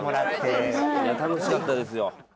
楽しかったですよ。